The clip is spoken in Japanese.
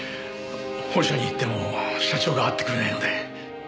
本社に行っても社長が会ってくれないので。